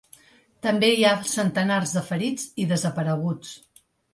També hi ha centenars de ferits i desapareguts.